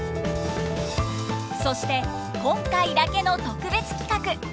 そして今回だけの特別企画！